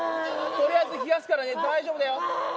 とりあえず冷やすからね、大丈夫だよ。